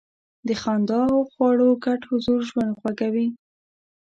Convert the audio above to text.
د خندا او خواړو ګډ حضور ژوند خوږوي.